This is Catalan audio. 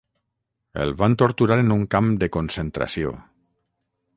El van torturar en un camp de concentració.